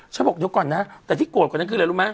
เขาบอกเดี๋ยวก่อนนะแต่ที่โกรธกว่านั้นคืออะไรรู้ไหม